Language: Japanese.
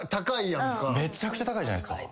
めちゃくちゃ高いじゃないっすか。